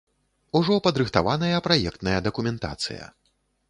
Ужо падрыхтаваная праектная дакументацыя.